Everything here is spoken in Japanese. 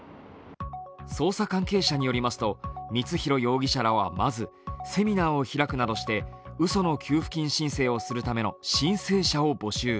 捜査関係者によりますと光弘容疑者らはまずセミナーを開くなどしてうその給付金申請をするための申請者を募集。